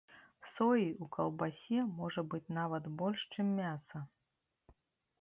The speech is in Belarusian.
Соі ў каўбасе можа быць нават больш, чым мяса!